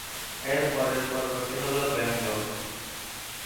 এর পরের পর্বটি হল "ব্যঙ্গ"।